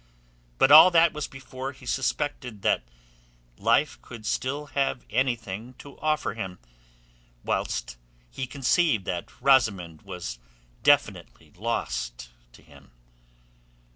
But all that was before he suspected that life could still have anything to offer him, whilst he conceived that Rosamund was definitely lost to him.